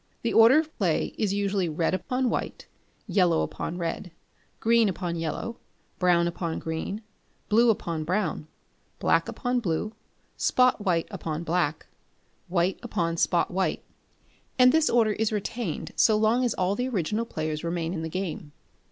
The order of play is usually red upon white, yellow upon red, green upon yellow, brown upon green, blue upon brown, black upon blue, spot white upon black, white upon spot white; and this order is retained so long as all the original players remain in the game.